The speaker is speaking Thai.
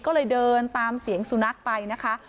ก็เลยเดินตามเสียงสุนัขไปนะคะ